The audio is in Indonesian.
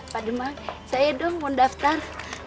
pak dimak saya dong mau daftar